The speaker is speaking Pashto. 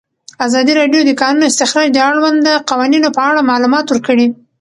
ازادي راډیو د د کانونو استخراج د اړونده قوانینو په اړه معلومات ورکړي.